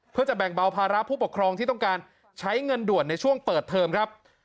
เพื่อจะแบ่งเบาภาระผู้ปกครองที่ต้องการใช้เงินด่วนในช่วงเปิดเทอมครับ